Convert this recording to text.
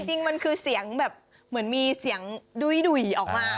จริงมันคือแบบมีเสียงดุยออกมา